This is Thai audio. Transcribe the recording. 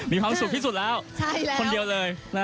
มีความสุขที่สุดแล้วคนเดียวเลย